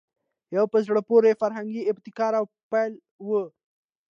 یو په زړه پورې فرهنګي ابتکار او پیل وو